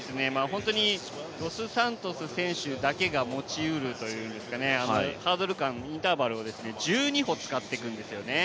本当にドスサントス選手だけが持ちうるというんですか、ハードル間、インターバルを１２歩使ってくるんですよね。